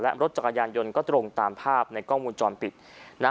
และรถจักรยานยนต์ก็ตรงตามภาพในกล้องมูลจรปิดนะ